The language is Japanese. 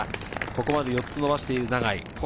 ここまで４つ伸ばしている永井。